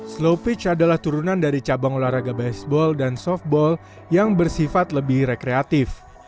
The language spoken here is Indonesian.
slow pitch adalah turunan dari cabang olahraga baseball dan softball yang bersifat lebih rekreatif